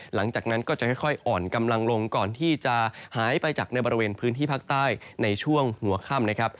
หลังจากนั้นก็จะค่อยอ่อนกำลังลงก่อนที่จะหายไปจากในบริเวณพื้นที่ภาคใต้ในช่วงหัวค่ำนะครับ